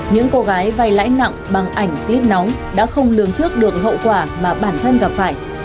những cô gái vay lãi nặng bằng ảnh clip nóng đã không lường trước được hậu quả mà bản thân gặp phải